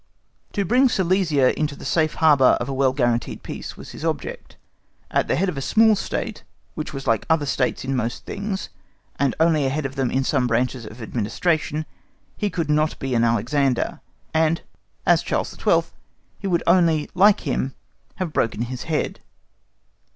To bring Silesia into the safe harbour of a well guaranteed peace was his object. At the head of a small State, which was like other States in most things, and only ahead of them in some branches of administration; he could not be an Alexander, and, as Charles XII, he would only, like him, have broken his head.